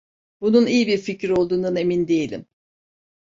Bunun iyi bir fikir olduğundan emin değilim.